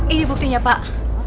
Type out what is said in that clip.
ini bukti ya pak